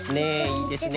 いいですね。